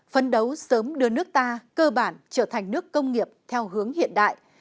phấn đấu sớm đưa nước ta cơ bản trở thành nước công nghiệp theo hướng hiện đại